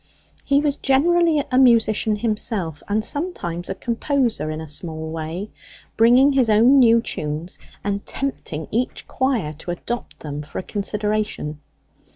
He was generally a musician himself, and sometimes a composer in a small way, bringing his own new tunes, and tempting each choir to adopt them for a consideration.